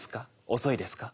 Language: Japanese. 遅いですか？